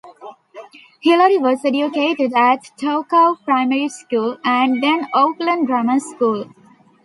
Hillary was educated at Tuakau Primary School and then Auckland Grammar School.